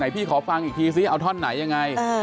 พี่ขอฟังอีกทีซิเอาท่อนไหนยังไง